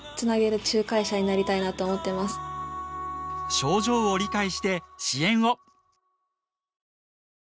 症状を理解して支援を。